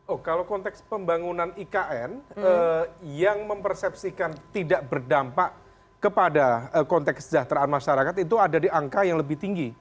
oh kalau konteks pembangunan ikn yang mempersepsikan tidak berdampak kepada konteks kesejahteraan masyarakat itu ada di angka yang lebih tinggi